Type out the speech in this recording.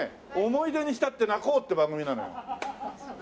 思い出に浸って泣こうっていう番組なのよ。